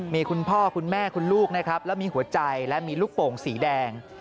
มีคุณพ่อคุณแม่คุณลูกนะครับแล้วมีหัวใจและมีลูกโป่งสีแดง